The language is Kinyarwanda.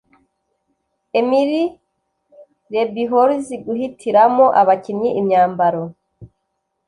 Emily Rebholz(guhitiramo abakinnyi imyambaro)